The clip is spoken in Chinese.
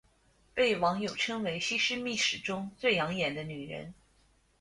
被网友称为西施秘史中最养眼的女人。